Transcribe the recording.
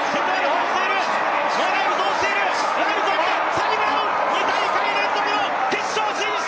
サニブラウン、２大会連続の決勝進出！